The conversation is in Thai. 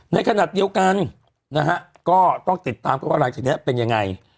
ในขณะเดียวกันนะฮะก็ต้องติดตามกันว่าหลังจากนี้เป็นยังไง